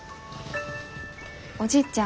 おじいちゃん。